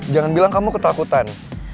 jangan bilang kamu ketakutan